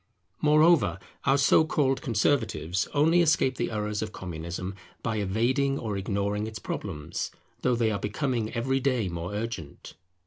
Moreover, our so called conservatives only escape the errors of Communism by evading or ignoring its problems, though they are becoming every day more urgent.